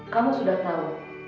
kamu sudah tahu